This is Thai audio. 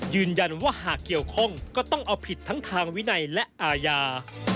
หากเกี่ยวข้องก็ต้องเอาผิดทั้งทางวินัยและอาญา